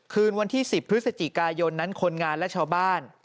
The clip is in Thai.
คืนวันที่๑๐พฤศจิกายนนั้นคนงานและชาวบ้าน